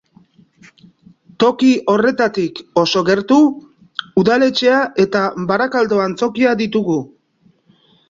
Toki horretatik oso gertu, udaletxea eta Barakaldo Antzokia ditugu.